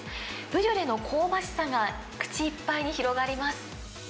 ブリュレの香ばしさが口いっぱいに広がります。